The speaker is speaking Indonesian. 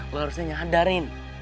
lo harusnya nyadarin